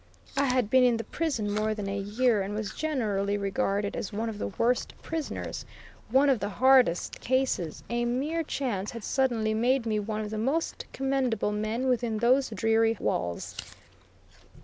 I had been in the prison more than a year, and was generally regarded as one of the worst prisoners, one of the "hardest cases;" a mere chance had suddenly made me one of the most commendable men within those dreary walls.